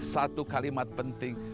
satu kalimat penting